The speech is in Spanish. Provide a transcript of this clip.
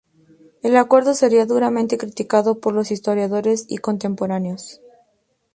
El acuerdo sería duramente criticado por historiadores y contemporáneos.